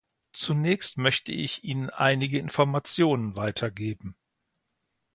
Zunächst möchte ich Ihnen einige Informationen weitergeben.